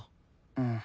うん。